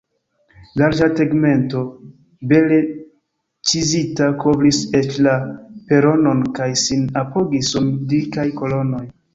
Larĝa tegmento, bele ĉizita, kovris eĉ la peronon kaj sin apogis sur dikaj kolonoj.